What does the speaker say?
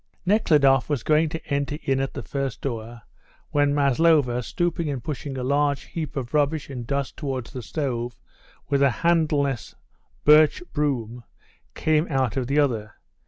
Nekhludoff was going to enter in at the first door, when Maslova, stooping and pushing a large heap of rubbish and dust towards the stove with a handleless birch broom, came out of the other.